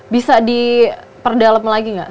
bisa diperdalam lagi gak